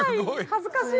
恥ずかしい！